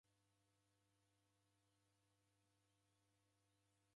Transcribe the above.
Naw'uya mkongo mando matineri.